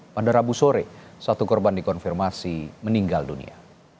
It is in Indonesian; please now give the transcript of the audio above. pada rabu sore satu korban dikonfirmasi meninggal dunia